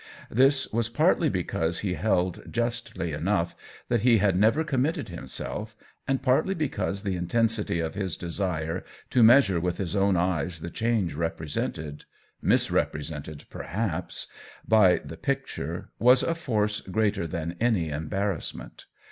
This was partly because he held, justly enough, that he had never committed himself, and partly because the intensity of his desire to measure with his own eyes the change represented — misrepresented per haps — by the picture was a force greater than any embarrassment.